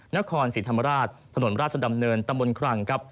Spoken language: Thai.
นครศรีธรรมราชถนนราชดำเนินตำบลครังครับ